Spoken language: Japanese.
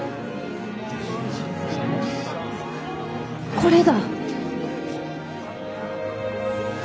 これだ！